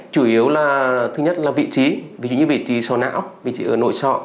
chủ yếu là vị trí vị trí sò não vị trí ở nội sọ